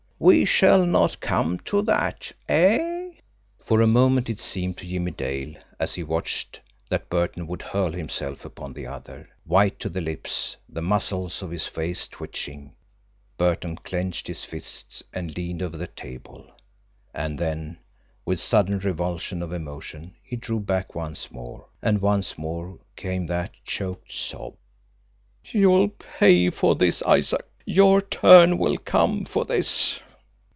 We shall not come to that eh?" For a moment it seemed to Jimmie Dale, as he watched, that Burton would hurl himself upon the other. White to the lips, the muscles of his face twitching, Burton clenched his fists and leaned over the table and then, with sudden revulsion of emotion, he drew back once more, and once more came that choked sob: "You'll pay for this, Isaac your turn will come for this!